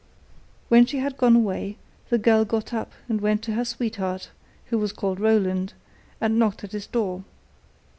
When she had gone away, the girl got up and went to her sweetheart, who was called Roland, and knocked at his door.